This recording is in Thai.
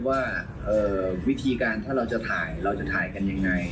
ว่าวิธีการถ้าเราจะถ่ายเราจะถ่ายกันยังไง